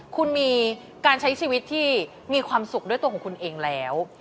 คุณมีการใช้ชีวิตที่มีความสุขด้วยตัวของคุณเองแล้ว